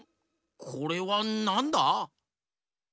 これはなんだ？